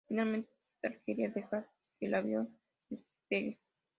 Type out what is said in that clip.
Finalmente, Argelia deja que el avión despegue.